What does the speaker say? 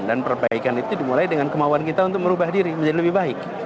dan perbaikan itu dimulai dengan kemauan kita untuk merubah diri menjadi lebih baik